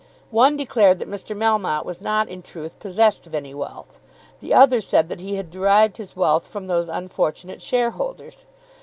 One declared that Mr. Melmotte was not in truth possessed of any wealth. The other said that he had derived his wealth from those unfortunate shareholders.